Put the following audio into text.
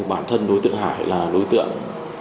bản thân đối tượng hải là đối tượng